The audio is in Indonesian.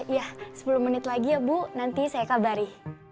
ya sepuluh menit lagi ya bu nanti saya kabari